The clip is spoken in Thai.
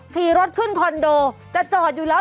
ขี่รถขึ้นคอนโดจะจอดอยู่แล้ว